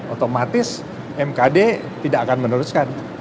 otomatis mkd tidak akan meneruskan